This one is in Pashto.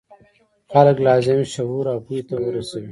خلک لازم شعور او پوهې ته ورسوي.